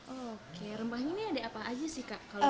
oke rempahnya ini ada apa aja sih kak